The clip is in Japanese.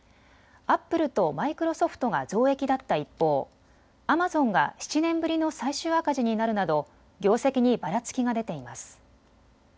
アップルとマイクロソフトが増益だった一方、アマゾンが７年ぶりの最終赤字になるなど業績にばらつきが出ています。